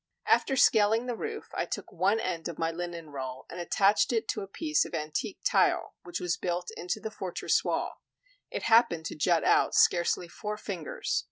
After scaling the roof, I took one end of my linen roll and attached it to a piece of antique tile which was built into the fortress wall; it happened to jut out scarcely four fingers.